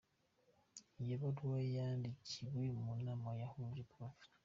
Iyo baruwa yandikiwe mu nama yahuje Prof.